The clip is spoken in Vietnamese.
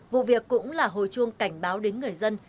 vụ việc cũng là hồi chuông cảnh báo đến người dân